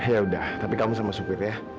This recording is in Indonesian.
ya udah tapi kamu sama supir ya